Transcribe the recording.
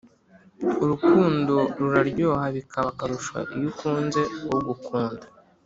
Urukundo ruraryoha bikaba akarusho iyo ukunze ugukunda